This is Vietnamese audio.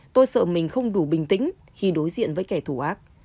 tôi sợ mình không đủ bình tĩnh khi đối diện với kẻ thù ác